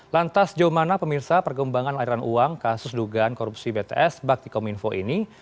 lantas jauh mana pemirsa pergembangan aliran uang kasus dugaan korupsi bts bakti kominfo ini